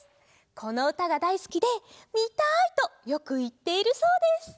このうたがだいすきで「みたい！」とよくいっているそうです。